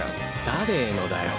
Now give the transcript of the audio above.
誰へのだよ。